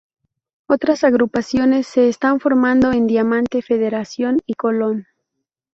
Otras agrupaciones se están formando en Diamante, Federación y Colón.